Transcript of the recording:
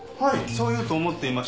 そう言うと思っていました。